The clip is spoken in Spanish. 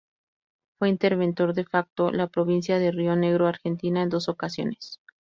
Fue interventor de facto la Provincia de Río Negro, Argentina en dos ocasiones.